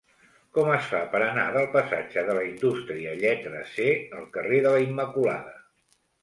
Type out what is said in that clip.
Com es fa per anar del passatge de la Indústria lletra C al carrer de la Immaculada?